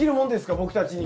僕たちにも。